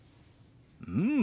うん！